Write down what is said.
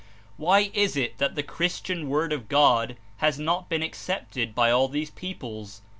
Why is it that the Christian Word of God has not been accepted by all these peoples?